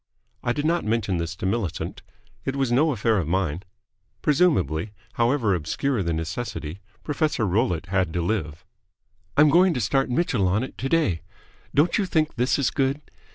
I did not mention this to Millicent. It was no affair of mine. Presumably, however obscure the necessity, Professor Rollitt had to live. "I'm going to start Mitchell on it today. Don't you think this is good?